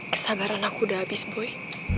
kesabaran aku udah habis boy